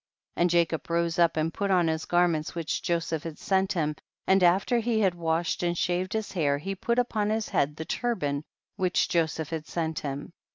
107. And Jacob rose up and put on the garments which Joseph had sent him, and after he had washed, and shaved his hair, he put upon his head the turban which Joseph had sent him.